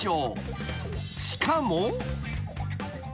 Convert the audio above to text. ［しかも］